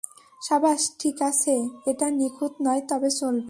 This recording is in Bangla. সাবাশ ঠিক আছে, এটা নিখুঁত নয় তবে চলবে।